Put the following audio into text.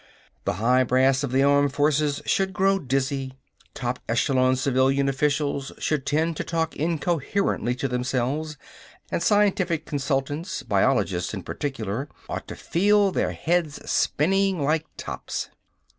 The high brass of the armed forces should grow dizzy. Top echelon civilian officials should tend to talk incoherently to themselves, and scientific consultants biologists in particular ought to feel their heads spinning like tops.